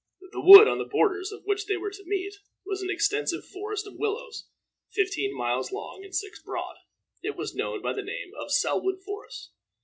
The wood on the borders of which they were to meet was an extensive forest of willows, fifteen miles long and six broad. It was known by the name of Selwood Forest.